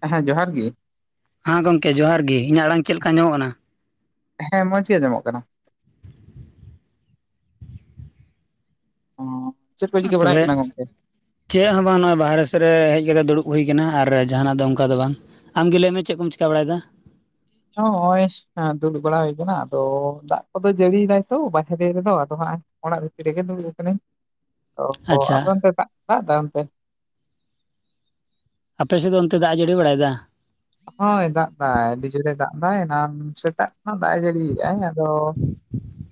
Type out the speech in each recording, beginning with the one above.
ᱦᱮᱸ ᱡᱚᱦᱟᱨ ᱜᱤ ᱦᱟ ᱜᱚᱝᱠᱮ ᱡᱚᱦᱟᱨ ᱜᱤ ᱤᱧᱟᱜ ᱟᱲᱟᱝ ᱪᱮᱞᱠᱟ ᱟᱸᱡᱚᱢᱚᱜ ᱠᱟᱱᱟ ᱦᱮᱸ ᱢᱚᱡᱽ ᱜᱮ ᱟᱡᱚᱢᱚᱜ ᱠᱟᱱᱟ ᱚ ᱪᱮᱫ ᱠᱚ ᱪᱤᱠᱟᱹ ᱵᱟᱲᱟᱭ ᱦᱩᱭᱩᱜ ᱛᱚᱵᱮ ᱠᱟᱱᱟ ᱜᱚᱝᱠᱮ ᱤᱧ ᱪᱮᱜ ᱦᱚᱸ ᱵᱟᱝ ᱱᱚᱜᱚᱭ ᱵᱟᱦᱨᱮ ᱥᱮᱫ ᱨᱮ ᱦᱮᱡ ᱠᱟᱛᱮᱫ ᱫᱩᱲᱩᱵ ᱦᱩᱭ ᱠᱟᱱᱟ ᱟᱨ ᱡᱟᱦᱟᱱᱟᱜ ᱫᱚ ᱚᱝᱠᱟ ᱫᱚ ᱵᱟᱝ ᱟᱢᱜᱤ ᱞᱟᱹᱭ ᱢᱮ ᱪᱮᱜ ᱠᱚᱢ ᱪᱤᱠᱟ ᱵᱟᱲᱟᱭ ᱫᱟ? ᱦᱚᱸᱜ ᱚᱭ ᱮᱸ ᱫᱩᱲᱩᱵ ᱵᱟᱲᱟ ᱦᱩᱭ ᱠᱟᱱᱟ ᱟᱫᱚ ᱫᱟᱜ ᱠᱚᱫᱚᱭ ᱡᱟᱹᱲᱤᱭ ᱫᱟᱭ ᱛᱚ ᱵᱟᱦᱮᱨᱮ ᱨᱮᱫᱚ ᱟᱫᱚ ᱦᱟᱸᱜ ᱚᱲᱟᱜ ᱵᱷᱤᱛᱤᱨ ᱨᱮᱜᱮ ᱫᱩᱲᱩᱵ ᱟᱠᱟᱱᱟᱹᱧ ᱛᱚ ᱟᱪᱪᱷᱟ ᱟᱯᱮ ᱚᱱᱛᱮ ᱫᱟᱜ ᱫᱟᱜ ᱫᱟᱭ ᱚᱱᱛᱮ? ᱟᱯᱮ ᱥᱮ ᱫᱚ ᱚᱱᱛᱮ ᱫᱟᱜ ᱮ ᱡᱟᱹᱲᱤ ᱵᱟᱲᱟᱭ ᱫᱟ? ᱦᱳᱭ ᱫᱟᱜ ᱫᱟᱭ ᱟᱹᱰᱤ ᱡᱳᱨᱮ ᱫᱟᱜ ᱫᱟᱭ ᱮᱱᱟᱱ ᱥᱮᱛᱟᱜ ᱠᱷᱚᱱᱟᱜ ᱫᱟᱜ ᱮ ᱡᱟᱹᱲᱤᱭᱮᱜᱼᱟ ᱟᱫᱚ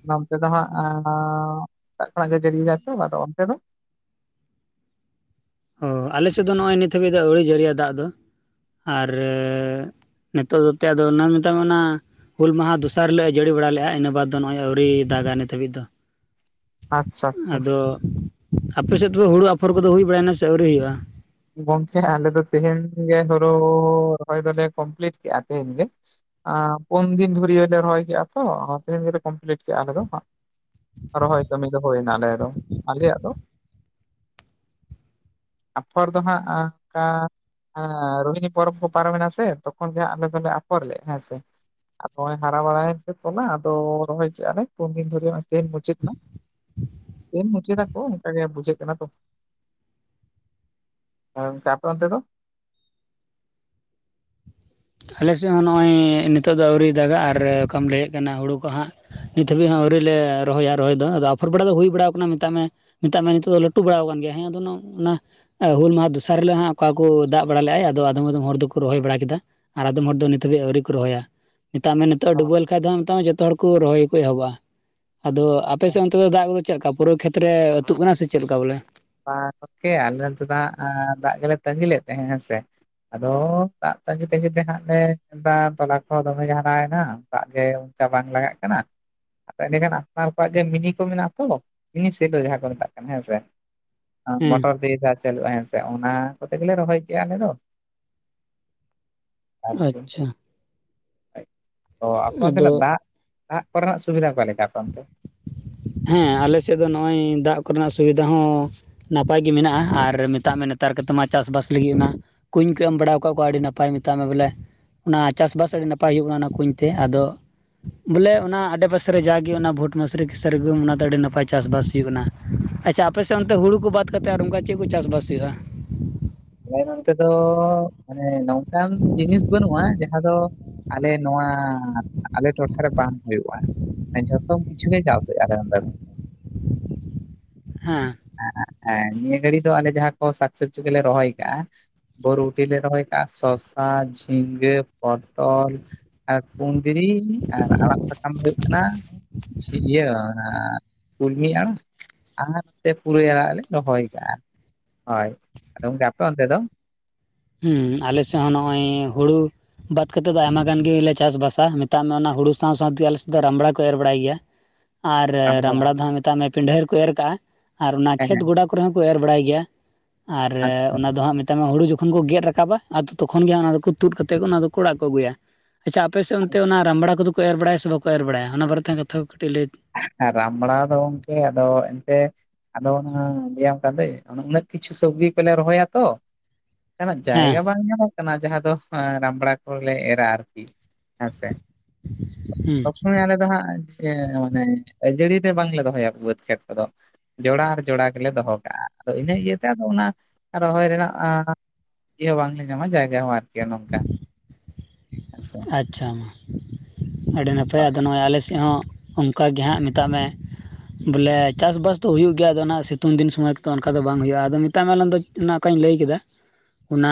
ᱱᱚᱱᱛᱮ ᱫᱚ ᱦᱟᱸᱜ ᱮᱸᱻ ᱥᱮᱛᱟᱜ ᱠᱷᱚᱱᱟᱜ ᱜᱮ ᱡᱟᱹᱲᱤ ᱫᱟ ᱛᱚ ᱟᱫᱚ ᱚᱱᱛᱮ ᱫᱚ? ᱚ ᱟᱞᱮ ᱥᱮᱫ ᱫᱚ ᱱᱚᱜᱚᱭ ᱱᱤᱛ ᱦᱟᱹᱵᱤ ᱫᱚ ᱟᱹᱣᱨᱤ ᱡᱟᱹᱨᱤᱭᱟ ᱫᱟᱜ ᱫᱚ, ᱟᱨᱻ ᱱᱤᱛᱚᱜ ᱚᱠᱛᱚ ᱟᱫᱚ ᱚᱱᱟᱧ ᱢᱮᱛᱟᱢ ᱠᱟᱱᱟ᱾ ᱦᱩᱞ ᱢᱟᱦᱟ ᱫᱚᱥᱟᱨ ᱦᱤᱞᱳᱜ ᱮ ᱡᱟᱹᱲᱤ ᱵᱟᱲᱟ ᱞᱮᱜᱼᱟ ᱤᱱᱟᱹ ᱵᱟᱫᱽ ᱫᱚ ᱱᱚᱜᱼᱚᱭ ᱟᱹᱣᱨᱤ ᱫᱟᱜᱟ ᱱᱤᱛ ᱦᱟᱹᱵᱤᱡ ᱫᱚ᱾ ᱟᱪᱪᱷᱟ ᱟᱪᱪᱷᱟ ᱟᱫᱚ ᱟᱯᱮ ᱥᱮᱫ ᱫᱚ ᱦᱩᱲᱩ ᱟᱯᱷᱚᱨ ᱠᱚᱫᱚ ᱦᱩᱭ ᱵᱟᱲᱟᱭᱱᱟ ᱥᱮ ᱟᱹᱣᱨᱤ ᱦᱩᱭᱩᱜ-ᱟ? ᱜᱚᱝᱠᱮ ᱟᱞᱮ ᱫᱚ ᱛᱮᱦᱮᱱ ᱜᱮ ᱦᱳᱲᱳᱻ ᱨᱚᱦᱚᱭ ᱫᱚᱞᱮ ᱠᱚᱢᱯᱞᱤᱴ ᱠᱮᱜᱼᱟ ᱛᱮᱦᱮᱧ ᱜᱮ᱾ ᱟᱸ ᱯᱩᱱ ᱫᱤᱱ ᱫᱷᱩᱨᱭᱟᱹ ᱞᱮ ᱨᱚᱦᱚᱭ ᱠᱮᱜᱼᱟ ᱛᱚ ᱛᱤᱦᱤᱱ ᱜᱮᱞᱮ ᱠᱚᱢᱯᱞᱤᱴ ᱠᱮᱜᱼᱟ ᱟᱞᱮ ᱫᱚ ᱦᱟᱸᱜ᱾ ᱨᱚᱦᱚᱭ ᱠᱟᱹᱢᱤ ᱫᱚ ᱦᱩᱭᱱᱟ ᱟᱞᱮ ᱫᱚ ᱟᱞᱮᱭᱟᱜ ᱫᱚ᱾ ᱯᱷᱚᱨ ᱫᱚ ᱦᱟᱸᱜ ᱟᱸ ᱠᱟ ᱟᱸ ᱨᱳᱦᱤᱱᱤ ᱯᱚᱨᱚᱵᱽ ᱠᱚ ᱯᱟᱨᱚᱢᱮᱱᱟ ᱥᱮ ᱛᱚᱠᱷᱚᱱ ᱜᱮ ᱟᱞᱮ ᱫᱚᱞᱮ ᱟᱯᱷᱚᱨ ᱞᱮᱜ ᱦᱮᱸ ᱥᱮ᱾ ᱟᱫᱚ ᱚᱭ ᱦᱟᱨᱟ ᱵᱟᱲᱟᱭᱮᱱ ᱛᱮ ᱛᱚᱞᱟ ᱟᱫᱚ ᱨᱚᱦᱚᱭ ᱠᱮᱜᱼᱟ ᱞᱮ ᱯᱩᱱ ᱫᱤᱱ ᱫᱷᱚᱨᱮ ᱚ ᱛᱮᱦᱮᱧ ᱢᱩᱪᱟᱹᱫ ᱱᱟ᱾ [inaudible] ᱛᱮᱦᱮᱱ ᱢᱩᱪᱟᱹ ᱫᱟᱠᱚ ᱚᱱᱠᱟ ᱜᱮ ᱵᱩᱡᱷᱟᱹᱜ ᱠᱟᱱᱟ ᱛᱚ᱾ ᱚᱝᱠᱟ ᱟᱯᱮ ᱚᱱᱛᱮ ᱫᱚ? ᱟᱞᱮ ᱥᱮᱜ ᱦᱚᱸ ᱱᱚᱜᱼᱚᱭ ᱱᱤᱛᱚᱜ ᱫᱚ ᱟᱹᱣᱨᱤ ᱫᱟᱜᱼᱟ ᱟᱨ ᱚᱠᱟᱢ ᱞᱟᱹᱭᱮᱜ ᱠᱟᱱᱟ ᱦᱩᱲᱩ ᱠᱚ ᱦᱟᱸᱜ ᱱᱤᱛ ᱫᱷᱟᱹᱵᱤᱡ ᱦᱚᱸ ᱟᱹᱣᱨᱤ ᱞᱮ ᱨᱚᱦᱚᱭᱟ ᱨᱚᱦᱚᱭ ᱫᱚ ᱟᱫᱚ ᱟᱯᱷᱚᱨ ᱵᱟᱲᱟ ᱫᱚ ᱦᱩᱭ ᱵᱟᱲᱟ ᱟᱠᱟᱱᱟ ᱢᱮᱛᱟᱜ ᱢᱮ ᱢᱮᱛᱟᱜ ᱢᱮ ᱱᱤᱛᱚᱜ ᱫᱚ ᱞᱟᱹᱴᱩ ᱵᱟᱲᱟᱣ ᱠᱟᱱ ᱜᱮᱭᱟ ᱦᱮᱸ ᱟᱫᱚ ᱚᱱᱟ ᱞᱟ ᱮ ᱦᱩᱞ ᱢᱟᱦᱟ ᱫᱚᱥᱟᱨ ᱦᱤᱞᱳᱜ ᱦᱟᱸᱜ ᱚᱠᱟ ᱠᱚ ᱫᱟᱜ ᱵᱟᱲᱟ ᱞᱮᱜᱼᱟᱭ ᱟᱫᱚ ᱟᱫᱚᱢ ᱟᱫᱚᱢ ᱦᱚᱲ ᱫᱚᱠᱚ ᱨᱚᱦᱚᱭ ᱵᱟᱲᱟ ᱠᱮᱫᱟ᱾ ᱟᱨ ᱟᱫᱚᱢ ᱦᱚᱲ ᱫᱚ ᱱᱤᱛ ᱦᱟᱹᱵᱤᱡ ᱟᱹᱣᱨᱤ ᱠᱚ ᱨᱚᱦᱭᱟ, ᱢᱮᱛᱟᱜ ᱢᱮ ᱱᱤᱛᱚᱜ ᱰᱩᱵᱟᱹ ᱞᱮᱠᱷᱟᱡ ᱫᱚ ᱢᱮᱛᱟ ᱢᱮ ᱡᱚᱛᱚ ᱦᱚᱲ ᱠᱩ ᱨᱚᱦᱚᱭ ᱠᱩ ᱮᱦᱚᱵᱟ ᱟᱫᱚ ᱟᱯᱮᱥᱮ ᱚᱱᱛᱮ ᱫᱚ ᱫᱟᱜ ᱪᱮᱜ ᱠᱟ ᱯᱩᱨᱟᱹ ᱠᱷᱮᱛ ᱨᱮ ᱟᱹᱛᱩᱜ ᱠᱟᱱᱟ ᱥᱮ ᱪᱮᱫᱠᱟ ᱵᱚᱞᱮ? [unintelligible] ᱟᱞᱮ ᱫᱚ ᱫᱟᱜ ᱮᱸ ᱫᱟᱜ ᱜᱮᱞᱮ ᱛᱟᱹᱜᱤ ᱞᱮᱫ ᱛᱟᱦᱮᱸ ᱦᱮᱸᱥᱮ᱾ ᱟᱫᱚ ᱫᱟᱜ ᱛᱟᱸᱜᱤ ᱛᱮᱜᱮ ᱛᱮ ᱦᱟᱸᱜ ᱞᱮ ᱵᱟᱝ ᱛᱚᱞᱟ ᱠᱚ ᱫᱚᱢᱮ ᱡᱷᱟᱱᱟᱣ ᱮᱱᱟ ᱫᱟᱜ ᱡᱮ ᱚᱱᱠᱟ ᱵᱟᱝ ᱞᱟᱜᱟᱜ ᱠᱟᱱᱟ᱾ ᱟᱹᱰᱤ ᱜᱟᱱ ᱟᱯᱱᱟᱨ ᱠᱚᱣᱟᱜ ᱜᱮ ᱢᱤᱱᱤ ᱠᱚ ᱢᱮᱱᱟᱜᱼᱟ ᱛᱚ ᱢᱤᱱᱤ ᱥᱮᱞᱳ ᱡᱟᱦᱟᱸ ᱠᱚ ᱢᱮᱛᱟᱜ ᱠᱟᱱᱟ ᱦᱮᱸ ᱥᱮ ᱵᱟᱝ? ᱮᱸ ᱦᱮᱸ ᱢᱚᱴᱚᱨ ᱫᱤᱭᱮ ᱡᱟᱦᱟᱸ ᱪᱟᱹᱞᱩᱜᱼᱟ ᱦᱮᱸᱥᱮ ᱚᱱᱟ ᱠᱚᱛᱮ ᱜᱮᱞᱮ ᱨᱚᱦᱚᱭ ᱠᱮᱜᱼᱟ ᱟᱞᱮ ᱫᱚ᱾ ᱟᱨ ᱠᱤ ᱟᱪᱪᱷᱟ [inaudible] ᱚ ᱟᱯᱮ ᱛᱟᱦᱚᱞᱮ ᱟᱫᱚ ᱫᱟ ᱟᱜ ᱠᱚᱨᱮ ᱱᱟᱜ ᱥᱩᱵᱤᱫᱷᱟ ᱚᱠᱟ ᱞᱮᱠᱟ ᱟᱯᱮ ᱚᱱᱛᱮ? ᱦᱮᱸ ᱟᱞᱮ ᱥᱮᱫ ᱫᱚ ᱱᱚᱜᱼᱚᱭ ᱫᱟᱜ ᱠᱚᱨᱮ ᱱᱟᱜ ᱥᱩᱵᱤᱫᱷᱟ ᱦᱚᱸ ᱱᱟᱯᱟᱭ ᱜᱮ ᱢᱮᱱᱟᱜᱼᱟ ᱟᱨ ᱢᱮᱛᱟᱜ ᱢᱮ ᱱᱮᱛᱟᱨ ᱠᱟᱛᱮ ᱢᱟ ᱪᱟᱥᱼᱵᱟᱥ ᱞᱤᱜᱤ ᱚᱱᱟ ᱠᱩᱧ ᱠᱚ ᱮᱢ ᱵᱟᱲᱟᱣ ᱠᱟᱜ ᱠᱚᱣᱟ ᱟᱹᱰᱤ ᱱᱟᱯᱟᱭ ᱢᱮᱛᱟᱜ ᱢᱮ ᱵᱚᱞᱮ᱾ ᱚᱱᱟ ᱪᱟᱥᱼᱵᱟᱥ ᱟᱹᱰᱤ ᱱᱟᱯᱟᱭ ᱦᱩᱭᱩᱜ ᱠᱟᱱᱟ ᱚᱱᱟ ᱠᱩᱧ ᱛᱮ ᱟᱫᱚ ᱵᱚᱞᱮ ᱚᱱᱟ ᱟᱰᱮᱯᱟᱥᱮ ᱨᱮ ᱡᱟᱜᱮ ᱚᱱᱟ ᱵᱷᱳᱴ [unintelligible] ᱥᱟᱹᱨᱜᱩᱢ ᱚᱱᱟ ᱫᱚ ᱟᱹᱰᱤ ᱱᱟᱯᱟᱭ ᱪᱟᱥᱼᱵᱟᱥ ᱦᱩᱭᱩᱜ ᱠᱟᱱᱟ᱾ ᱟᱪᱪᱷᱟ ᱟᱯᱮ ᱥᱮᱜ ᱚᱱᱛᱮ ᱦᱩᱲᱩ ᱠᱩ ᱵᱟᱫ ᱠᱟᱛᱮ ᱟᱨ ᱚᱱᱠᱟ ᱪᱤᱜ ᱠᱩ ᱪᱟᱥᱼᱵᱟᱥ ᱦᱩᱭᱩᱜᱼᱟ? ᱞᱮ ᱱᱚᱱᱛᱮ ᱫᱚ ᱢᱟᱱᱮ ᱱᱚᱝᱠᱟᱱ ᱡᱤᱱᱤᱥ ᱵᱟᱹᱱᱩᱜᱼᱟ ᱡᱟᱦᱟᱸ ᱫᱚ ᱟᱞᱮ ᱱᱚᱣᱟ ᱟᱞᱮ ᱴᱚᱴᱷᱟ ᱨᱮ ᱵᱟᱝ ᱦᱩᱭᱩᱜᱼᱟ᱾ ᱡᱚᱛᱚᱢ ᱠᱤᱪᱷᱩ ᱜᱮ ᱪᱟᱥ ᱦᱩᱭᱩᱜᱼᱟ ᱟᱞᱮ ᱚᱱᱛᱮ ᱫᱚ᱾ [inaudible] ᱦᱮᱸ᱾ [inaudible] ᱮᱸ ᱱᱤᱭᱟᱹ ᱜᱷᱟᱹᱲᱤ ᱫᱚ ᱟᱞᱮ ᱡᱟᱦᱟᱸ ᱠᱚ ᱥᱟᱠ ᱥᱚᱵᱽᱡᱤ ᱠᱚᱞᱮ ᱨᱚᱦᱚᱭ ᱠᱟᱜᱼᱟ ᱵᱳᱨᱵᱩᱴᱤ ᱞᱮ ᱨᱚᱦᱚᱭ ᱠᱟᱜᱼᱟ, ᱥᱚᱥᱟ, ᱡᱷᱤᱸᱜᱟᱹ, ᱯᱚᱴᱚᱞ᱾ ᱟᱨ ᱠᱩᱱᱫᱽᱨᱤ ᱟᱨ ᱟᱲᱟᱜ ᱥᱟᱠᱟᱢ ᱫᱚ ᱦᱩᱭᱩᱜ ᱠᱟᱱᱟ ᱡᱷᱤ ᱤᱭᱟᱹ ᱚᱱᱟ ᱠᱩᱞᱢᱤ ᱟᱲᱟᱜ᱾ ᱟᱨ ᱛᱮ ᱯᱩᱨᱟᱹᱭ ᱟᱲᱟᱜ ᱞᱮ ᱨᱚᱦᱚᱭ ᱠᱟᱜᱼᱟ, ᱦᱳᱭ ᱟᱫᱚ ᱜᱚᱝᱠᱮ ᱟᱯᱮ ᱚᱱᱛᱮ ᱫᱚ? ᱦᱩᱸ ᱟᱞᱮ ᱥᱮᱜ ᱦᱚᱸ ᱱᱚᱜᱼᱚᱭ ᱦᱩᱲᱩ ᱵᱟᱫᱽ ᱠᱟᱛᱮ ᱫᱚ ᱟᱭᱢᱟ ᱜᱟᱱ ᱜᱮᱞᱮ ᱪᱟᱥ ᱵᱟᱥᱼᱟ ᱢᱮᱛᱟᱜ ᱢᱮ ᱚᱱᱟ ᱦᱩᱲᱩ ᱥᱟᱶ ᱥᱟᱶᱛᱮ ᱟᱞᱮ ᱥᱮᱫ ᱫᱚ ᱨᱟᱢᱵᱲᱟ ᱠᱚ ᱮᱨ ᱵᱟᱲᱟᱭ ᱜᱮᱭᱟ ᱟᱨ ᱨᱟᱢᱵᱲᱟ ᱫᱚ ᱦᱟᱸᱜ ᱢᱮᱛᱟᱜ ᱢᱮ ᱯᱤᱱᱰᱦᱟᱹ ᱨᱮᱠᱚ ᱮᱨ ᱠᱟᱜᱼᱟ ᱟᱨ ᱚᱱᱟ ᱦᱮᱸ ᱠᱷᱮᱛ ᱦᱮᱸ ᱜᱚᱰᱟ ᱠᱚᱨᱮ ᱦᱚᱸ ᱠᱚ ᱮᱨ ᱵᱟᱲᱟᱭ ᱜᱮᱭᱟ ᱟᱨ ᱟᱪᱪᱷᱟ ᱚᱱᱟ ᱫᱚ ᱦᱟᱸᱜ ᱢᱮᱛᱟᱜ ᱢᱮ ᱦᱩᱲᱩ ᱡᱚ ᱛᱚᱠᱷᱚᱱ ᱠᱚ ᱜᱮᱫ ᱨᱟᱠᱟᱵᱟ ᱟᱫᱚ ᱛᱚᱠᱷᱚᱱ ᱜᱮ ᱚᱱᱟ ᱫᱚᱠᱚ ᱛᱩᱫ ᱠᱟᱛᱮᱫ ᱚᱱᱟ ᱫᱚᱠᱚ ᱚᱲᱟᱜ ᱠᱚ ᱟᱹᱜᱩᱭᱟ ᱟᱪᱪᱷᱟ ᱟᱯᱮ ᱥᱮᱫ ᱚᱱᱛᱮ ᱚᱱᱟ ᱨᱟᱢᱵᱲᱟ ᱠᱚᱫᱚ ᱠᱚ ᱮᱨ ᱵᱟᱲᱟ ᱥᱮ ᱵᱟᱠᱚ ᱮᱨ ᱵᱟᱲᱟᱭᱟ ᱚᱱᱟ ᱵᱟᱨᱮᱛᱮ ᱠᱟᱛᱷᱟ ᱠᱚ ᱠᱟᱹᱴᱤᱡ ᱞᱟᱹᱭ ᱨᱟᱢᱵᱲᱟ ᱫᱚ ᱜᱚᱢᱠᱮ ᱟᱫᱚ ᱮᱱᱛᱮᱜ ᱟᱫᱚ ᱚᱱᱟ ᱵᱮᱭᱟᱢ ᱠᱟᱱᱫᱟᱹᱧ ᱩᱱᱟᱹᱜ ᱠᱤᱪᱷᱩ ᱥᱚᱵᱽᱡᱤ ᱠᱚᱞᱮ ᱨᱚᱦᱚᱭᱟ ᱛᱚ ᱚᱱᱠᱟᱱᱟᱜ ᱡᱟᱭᱜᱟ ᱦᱮᱸ ᱵᱟᱝ ᱧᱟᱢᱚᱜ ᱠᱟᱱᱟ ᱡᱟᱦᱟᱸ ᱫᱚ ᱨᱟᱢᱵᱲᱟ ᱠᱚᱨᱮ ᱞᱮ ᱮᱨᱟ ᱟᱨᱠᱤ ᱦᱮᱸᱥᱮ ᱦᱮᱸ ᱥᱚᱸᱜᱮ ᱟᱞᱮ ᱫᱚ ᱦᱟᱸᱜ ᱪᱮᱜ ᱢᱟᱱᱮ ᱟᱹᱡᱟᱹᱲᱤ ᱛᱮ ᱵᱟᱝᱞᱮ ᱫᱚᱦᱚᱭᱟ ᱵᱟᱹᱫᱽ ᱠᱷᱮᱛ ᱠᱚᱫᱚ ᱡᱚᱲᱟ ᱟᱨ ᱡᱚᱲᱟ ᱜᱮᱞᱮ ᱫᱚᱦᱚ ᱠᱟᱜᱼᱟ ᱟᱫᱚ ᱤᱱᱟᱹ ᱤᱭᱟᱹ ᱛᱮ ᱟᱫᱚ ᱚᱱᱟ ᱨᱚᱦᱚᱭ ᱨᱮᱱᱟᱜ ᱟᱸᱻ ᱪᱮᱫ ᱦᱚᱸ ᱵᱟᱝᱞᱮ ᱧᱟᱢᱟ ᱡᱟᱭᱜᱟ ᱦᱚᱸ ᱟᱨᱠᱤ ᱱᱚᱝᱠᱟ ᱦᱮᱸᱥᱮ ᱟᱪᱪᱷᱟ ᱢᱟ ᱟᱹᱰᱤ ᱱᱟᱯᱟᱭ ᱟᱫᱚ ᱱᱚᱜᱼᱚᱭ ᱟᱞᱮ ᱥᱮᱫ ᱦᱚᱸ ᱚᱝᱠᱟ ᱜᱮ ᱦᱟᱸᱜ ᱢᱮᱛᱟᱜ ᱢᱮ ᱵᱚᱞᱮ ᱪᱟᱥᱵᱟᱥ ᱫᱚ ᱦᱩᱭᱩᱜ ᱜᱮᱭᱟ ᱟᱫᱚ ᱚᱱᱟ ᱥᱤᱛᱩᱝ ᱫᱤᱱ ᱥᱚᱢᱚᱭ ᱮᱠ ᱛᱚ ᱚᱱᱠᱟ ᱫᱚ ᱵᱟᱝ ᱦᱩᱭᱩᱜᱼᱟ ᱟᱫᱚ ᱢᱮᱛᱟᱜ ᱢᱮ ᱟᱞᱟᱝ ᱫᱚ ᱚᱱᱟ ᱚᱠᱟᱹᱧ ᱞᱟᱹᱭ ᱠᱮᱫᱟ ᱚᱱᱟ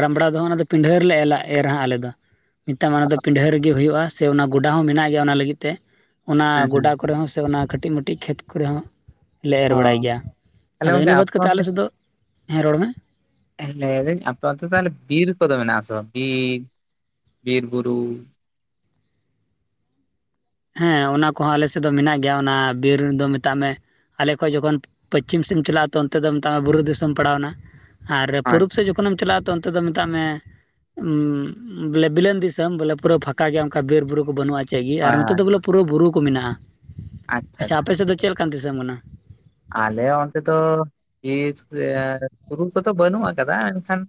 ᱨᱟᱢᱵᱲᱟ ᱫᱚ ᱦᱟᱸᱜ ᱚᱱᱟ ᱫᱚ ᱯᱤᱱᱰᱦᱟᱹ ᱨᱮᱞᱮ ᱮᱞᱟ ᱮᱨᱟ ᱦᱟᱸᱜ ᱟᱞᱮ ᱫᱚ ᱢᱮᱛᱟᱜ ᱢᱮ ᱚᱱᱟ ᱫᱚ ᱯᱤᱱᱰᱦᱟᱹ ᱨᱮᱜᱮ ᱦᱩᱭᱩᱜᱼᱟ ᱥᱮ ᱚᱱᱟ ᱜᱚᱰᱟ ᱦᱚᱸ ᱢᱮᱱᱟᱜ ᱜᱮᱭᱟ ᱚᱱᱟ ᱞᱟᱹᱜᱤᱫ ᱛᱮ ᱚᱱᱟ ᱦᱮᱸ ᱦᱮᱸ ᱜᱚᱰᱟ ᱠᱚᱨᱮ ᱦᱚᱸ ᱥᱮ ᱚᱱᱟ ᱠᱟᱹᱴᱤᱡ ᱢᱟᱹᱴᱤᱡ ᱠᱷᱮᱛ ᱠᱚᱨᱮ ᱦᱚᱸ ᱞᱮ ᱮᱨ ᱚ ᱵᱟᱲᱟᱭ ᱜᱮᱭᱟ ᱛᱟᱦᱚᱞᱮ ᱟᱫᱚ ᱜᱚᱝᱠᱮ ᱤᱱᱟᱹ ᱵᱟᱫᱽ ᱟᱯᱮ ᱠᱟᱛᱮ ᱟᱞᱮ ᱥᱮᱫ ᱫᱚ ᱦᱮᱸ ᱨᱚᱲ ᱢᱮ [inaudible] ᱞᱟᱹᱭ ᱫᱟᱹᱧ ᱟᱯᱮ ᱚᱱᱛᱮ ᱛᱟᱦᱞᱮ ᱵᱤᱨ ᱠᱚᱫᱚ ᱢᱮᱱᱟᱜ ᱟᱥᱮ ᱵᱟᱝ? ᱵᱤᱨ, ᱵᱤᱨ ᱵᱩᱨᱩ ᱦᱮᱸ ᱚᱱᱟ ᱠᱚᱦᱚᱸ ᱟᱞᱮ ᱥᱮᱫ ᱫᱚ ᱢᱮᱱᱟᱜ ᱜᱮᱭᱟ᱾ ᱚᱱᱟ ᱵᱤᱨ ᱫᱚ ᱢᱮᱛᱟᱜ ᱢᱮ ᱟᱞᱮ ᱠᱷᱚᱡ ᱡᱚᱠᱷᱚᱱ ᱯᱟᱪᱷᱤᱢ ᱥᱮᱫ ᱮᱢ ᱪᱟᱞᱟᱜᱼᱟ᱾ ᱛᱚ ᱚᱱᱛᱮ ᱫᱚ ᱢᱮᱛᱟᱜ ᱢᱮ ᱵᱩᱨᱩ ᱫᱤᱥᱚᱢ ᱯᱟᱲᱟᱣᱱᱟ ᱟᱨ ᱦᱳᱭ ᱯᱩᱨᱩᱵᱽ ᱥᱮᱫ ᱡᱚᱠᱷᱚᱱᱮᱢ ᱪᱟᱞᱟᱜᱼᱟ ᱛᱚ ᱚᱱᱛᱮ ᱫᱚ ᱢᱮᱛᱟᱜ ᱢᱮ ᱵᱮᱞᱮ ᱵᱤᱞᱚᱱ ᱫᱤᱥᱚᱢ, ᱵᱚᱞᱮ ᱯᱩᱨᱟᱹ ᱯᱷᱟᱸᱠᱟ ᱜᱮᱭᱟ ᱚᱝᱠᱟ ᱵᱤᱨ ᱵᱩᱨᱩ ᱠᱚ ᱵᱟᱹᱱᱩᱜᱼᱟ ᱪᱮᱜᱽ ᱜᱮ, ᱟᱨ ᱦᱳᱭ ᱦᱳᱭ ᱫᱚ ᱵᱚᱞᱮ ᱯᱩᱨᱟᱹ ᱵᱩᱨᱩ ᱠᱚ ᱢᱮᱱᱟᱜᱼᱟ ᱾ ᱟᱪᱪᱷᱟ ᱟᱯᱮᱥᱮᱫ ᱫᱚ ᱪᱮᱫ ᱞᱮᱠᱟᱱ ᱫᱤᱥᱚᱢ ᱠᱟᱱᱟ? ᱟᱞᱮ ᱚᱱᱛᱮ ᱫᱚ, ᱵᱤᱨ ᱵᱩᱨᱩ ᱠᱚᱫᱚ ᱵᱟᱹᱱᱩᱜ ᱟᱠᱟᱫᱟ ᱾ ᱢᱮᱱᱠᱷᱟᱱᱼᱼ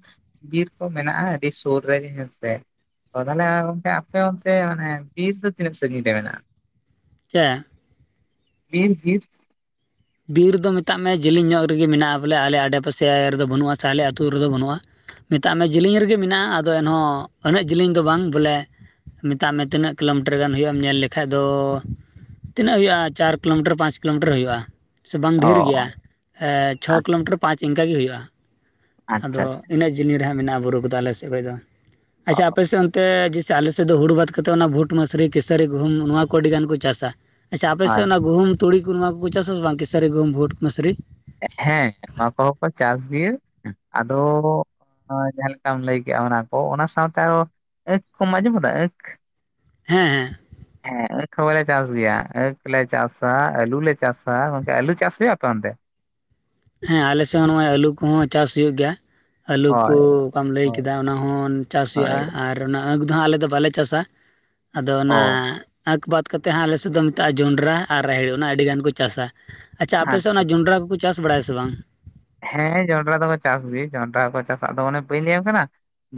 ᱵᱤᱨ ᱠᱚ ᱢᱮᱱᱟᱜᱼᱟ ᱟᱹᱰᱤ ᱥᱩᱨ ᱨᱮᱜᱮ ᱦᱮᱸ ᱥᱮ ᱾ ᱛᱚ ᱛᱟᱦᱞᱮ ᱜᱚᱢᱠᱮ ᱟᱯᱮ ᱚᱱᱛᱮ ᱢᱟᱱᱮ ᱵᱤᱨ ᱫᱚ ᱛᱤᱱᱟᱹᱜ ᱥᱟᱺᱜᱤᱧ ᱨᱮ ᱢᱮᱱᱟᱜᱼᱟ? ᱪᱮᱫ? [unintelligible] ᱵᱤᱨ ᱨᱮᱫᱚ ᱢᱮᱛᱟᱜ ᱢᱮ ᱡᱮᱞᱮᱧ ᱧᱚᱜ ᱨᱮᱜᱮ ᱢᱮᱱᱟᱜᱼᱟ ᱵᱚᱞᱮ, ᱟᱞᱮ ᱟᱰᱮ ᱯᱟᱥᱮ ᱨᱮᱫᱚ ᱵᱟᱹᱱᱩᱜᱼᱟ ᱥᱮ ᱟᱞᱮ ᱟᱹᱛᱩ ᱨᱮᱫᱚ ᱵᱟᱹᱱᱩᱜᱼᱟ ᱾ ᱢᱮᱛᱟᱜ ᱢᱮ ᱡᱮᱞᱤᱧ ᱨᱮᱜᱮ ᱢᱮᱱᱟᱜᱼᱟ ᱟᱫᱚ ᱮᱱᱦᱚᱸ, ᱩᱱᱟᱹᱜ ᱡᱮᱞᱤᱧ ᱫᱚ ᱵᱟᱝ ᱵᱚᱞᱮ ᱢᱮᱛᱟᱜ ᱢᱮ ᱛᱤᱱᱟᱹᱜ ᱠᱤᱞᱳᱢᱤᱴᱟᱨ ᱜᱟᱱ ᱦᱩᱭᱩᱜᱼᱟ ᱮᱢ ᱧᱮᱞ ᱞᱮᱠᱷᱟᱡ ᱫᱚ ᱛᱤᱱᱟᱹᱜ ᱦᱩᱭᱩᱜᱼᱟ? ᱪᱟᱨ ᱠᱤᱞᱳᱢᱤᱴᱟᱨ ᱯᱟᱸᱪ ᱠᱤᱞᱳᱢᱤᱴᱟᱨ ᱦᱩᱭᱩᱜᱼᱟ᱾ ᱥᱮ ᱵᱟᱝ ᱚ ᱰᱷᱮᱨ ᱜᱮᱭᱟ ᱮ ᱪᱷᱚ ᱟᱪᱪᱷᱟ ᱠᱤᱞᱳᱢᱤᱴᱟᱨ ᱯᱟᱸᱪ ᱤᱱᱠᱟᱹ ᱜᱮ ᱦᱩᱭᱩᱜᱼᱟ᱾ ᱟᱪᱪᱷᱟ ᱟᱫᱚ ᱟᱪᱪᱷᱟ ᱤᱱᱟᱹᱜ ᱡᱤᱱᱤ ᱨᱮᱦᱟᱸᱜ ᱢᱮᱱᱟᱜᱼᱟ ᱵᱩᱨᱩ ᱠᱚᱫᱚ ᱟᱞᱮ ᱥᱮᱫ ᱠᱷᱚᱡᱽ ᱫᱚ ᱚ ᱟᱪᱷᱟ ᱟᱯᱮ ᱥᱮᱫᱚᱱ ᱛᱮ ᱡᱟᱭᱥᱮ ᱟᱞᱮᱥᱮᱫ ᱫᱚ ᱦᱩᱲᱩ ᱵᱟᱝ ᱠᱟᱛᱮ ᱚᱱᱟ ᱵᱷᱩᱴ, ᱢᱟᱥᱨᱤ, ᱠᱮᱥᱟᱹᱨᱤ, ᱜᱩᱦᱩᱢ ᱱᱚᱣᱟ ᱠᱚ ᱟᱹᱰᱤ ᱜᱟᱱ ᱠᱚ ᱪᱟᱥᱟ᱾ ᱟᱪᱷᱟ ᱟᱯᱮ ᱥᱮᱫ ᱦᱳᱭ ᱚᱱᱟ ᱜᱦᱩᱢ, ᱛᱩᱲᱤ ᱠᱩ ᱱᱚᱣᱟ ᱠᱚᱠᱚ ᱪᱟᱥ ᱟᱥᱮ ᱵᱟᱝ? ᱠᱮᱥᱟᱹᱨᱤ, ᱜᱩᱢ, ᱵᱷᱩᱴ, ᱢᱟᱥᱥᱨᱤ᱾ ᱦᱮᱸ ᱱᱚᱣᱟ ᱠᱚᱦᱚᱸ ᱠᱚ ᱪᱟᱥ ᱜᱮᱭᱟ ᱟᱫᱚ ᱦᱚᱸ ᱡᱟᱦᱟᱸ ᱞᱮᱠᱟᱢ ᱞᱟᱹᱭ ᱠᱮᱜᱼᱟ ᱚᱱᱟ ᱠᱚ ᱚᱱᱟ ᱥᱟᱶᱛᱮ ᱟᱨᱚ ᱟᱸᱠᱷ ᱠᱚᱢ ᱟᱸᱡᱚᱢ ᱟᱠᱟᱫᱟ ᱟᱹᱠᱷ ᱦᱮᱸ ᱦᱮᱸ ᱦᱮᱸ ᱟᱸᱠᱷ ᱦᱚᱸᱞᱮ ᱪᱟᱥ ᱜᱮᱭᱟ ᱟᱸᱠᱷ ᱞᱮ ᱪᱟᱥᱟ᱾ ᱟᱞᱩ ᱞᱮ ᱪᱟᱥᱟ᱾ ᱜᱚᱝᱠᱮ ᱟᱞᱩ ᱪᱟᱥ ᱦᱩᱭᱩᱜᱟ ᱟᱯᱮ ᱚᱱᱛᱮ? ᱦᱮᱸ ᱟᱞᱮᱥᱮᱜᱽ ᱦᱚᱸ ᱱᱚᱜᱚᱭ ᱟᱹᱞᱩ ᱠᱚᱦᱚᱸ ᱪᱟᱥ ᱦᱩᱭᱩᱜ ᱜᱮᱭᱟ᱾ ᱟᱹᱞᱩ ᱦᱳᱭ ᱠᱚ ᱚᱠᱟᱢ ᱞᱟᱹᱭ ᱦᱳᱭ ᱠᱮᱫᱟ ᱚᱱᱟ ᱦᱚᱸᱱ ᱪᱟᱥ ᱦᱩᱭᱩᱜᱼᱟ᱾ ᱦᱳᱭ ᱟᱨ ᱚᱱᱟ ᱟᱸᱠᱷ ᱫᱚ ᱦᱟᱸᱜ ᱟᱞᱮ ᱫᱚ ᱵᱟᱞᱮ ᱪᱟᱥᱟ᱾ ᱟᱫᱚ ᱚᱱᱟ ᱚ ᱟᱸᱠᱷ ᱵᱟᱫ ᱠᱟᱛᱮ ᱦᱟᱜ ᱟᱞᱮᱥᱮᱫ ᱫᱚ ᱢᱮᱛᱟᱜᱼᱟ ᱡᱚᱸᱰᱨᱟ ᱟᱨ ᱨᱟᱦᱮᱲ ᱚᱱᱟ ᱟᱹᱰᱤ ᱜᱟᱱ ᱠᱚ ᱪᱟᱥᱟ᱾ ᱟᱪᱷᱟ ᱟᱯᱮ ᱥᱮᱫ ᱚᱱᱟ ᱟᱪᱪᱷᱟ ᱡᱚᱸᱰᱨᱟ ᱠᱚᱠᱚ ᱪᱟᱥ ᱵᱟᱲᱟᱭᱟ ᱥᱮ ᱵᱟᱝ? ᱦᱮᱸ ᱡᱚᱱᱰᱨᱟ ᱫᱚᱠᱚ ᱪᱟᱥ ᱜᱮ ᱡᱚᱱᱰᱨᱟ ᱠᱚ ᱪᱟᱥᱟᱜ ᱟᱫᱚ ᱚᱱᱮ ᱵᱟᱹᱧ ᱞᱟᱹᱭᱟᱢ ᱠᱟᱱᱟ